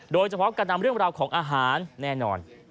โดยเฉพาะการนำเรื่องราวของอาหารแน่นอน